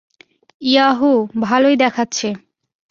Yahoo, ভালোই দেখাচ্ছে।